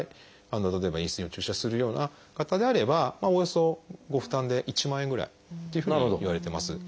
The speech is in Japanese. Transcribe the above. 例えばインスリンを注射するような方であればおおよそご負担で１万円ぐらいというふうにいわれてます。